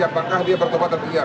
apakah dia bertobat atau tidak